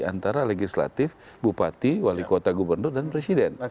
antara legislatif bupati wali kota gubernur dan presiden